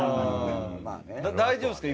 大丈夫ですか？